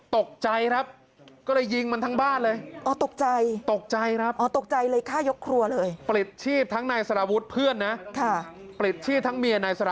ตกใจครับก็เลยยิงมันทั้งบ้านเลย